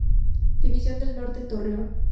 División del Norte, en Torreón.